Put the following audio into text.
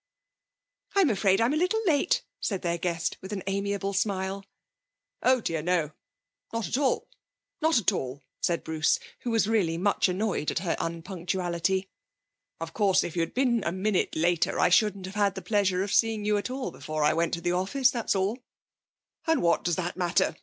'I'm afraid I'm a little late,' said their guest, with her amiable smile. 'Oh dear, no not at all, not at all,' said Bruce, who was really much annoyed at her unpunctuality. 'Of course, if you'd been a minute later I shouldn't have had the pleasure of seeing you at all before I went to the office that's all. And what does that matter?